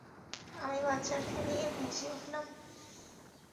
আমি বাচ্চাটাকে নিয়ে ভেসে উঠলাম।